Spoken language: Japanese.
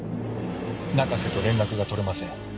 中瀬と連絡がとれません。